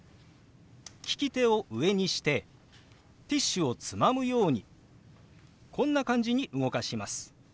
利き手を上にしてティッシュをつまむようにこんな感じに動かします。